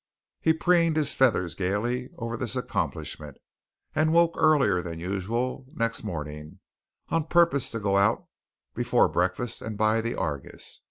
He preened his feathers gaily over this accomplishment, and woke earlier than usual next morning on purpose to go out before breakfast and buy the Argus.